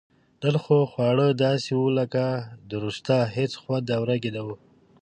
نن خو خواړه داسې و لکه دورسشته هېڅ خوند او رنګ یې نه و.